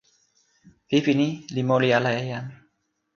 pipi ni li moli ala e jan.